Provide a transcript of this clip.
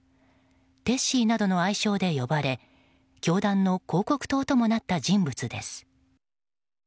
テッシーなどの愛称で呼ばれ教団の広告塔ともなった人物です。